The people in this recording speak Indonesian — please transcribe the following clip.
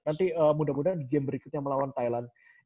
nanti mudah mudahan di game berikutnya melawan thailand